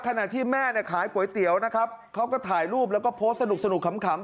ขณะที่แม่เนี่ยขายก๋วยเตี๋ยวนะครับเขาก็ถ่ายรูปแล้วก็โพสต์สนุกขำ